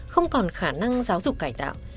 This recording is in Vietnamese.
không còn khả năng giáo dục cải tạo